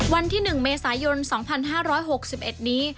วันที่๑เมษายน๒๕๖๑นี้